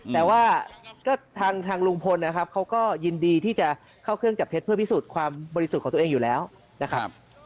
แต่ว่าก็ทางลุงพลนะครับเขาก็ยินดีที่จะเข้าเครื่องจับเท็จเพื่อพิสูจน์ความบริสุทธิ์ของตัวเองอยู่แล้วนะครับ